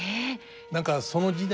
何かその時代